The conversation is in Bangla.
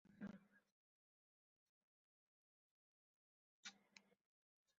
স্থানীয়ভাবে উৎপাদিত জৈব কীটনাশক ব্যবহার করা যেতে পারে।